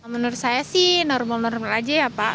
menurut saya sih normal normal aja ya pak